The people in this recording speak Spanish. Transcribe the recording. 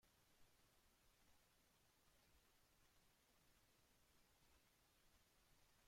La caja de cambios, el sistema de suspensión y de frenado son los mismos.